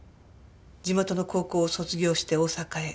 地元の高校を卒業して大阪へ。